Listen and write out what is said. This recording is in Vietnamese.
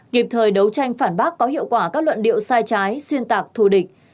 kịp thời đấu tranh phản bác có hiệu quả các luận điệu sai trái xuyên tạc thù địch